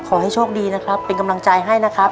ขอให้โชคดีนะครับเป็นกำลังใจให้นะครับ